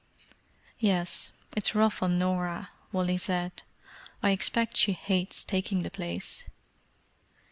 "Yes, it's rough on Norah," Wally said. "I expect she hates taking the place."